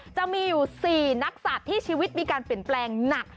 จะมีอยู่๔นักศัตริย์ที่ชีวิตมีการเปลี่ยนแปลงหนัก